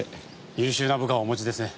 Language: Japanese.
優秀な部下をお持ちですね。